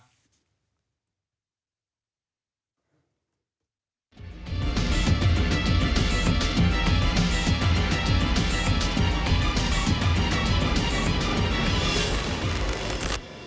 โปรดติดตามตอนต่อไป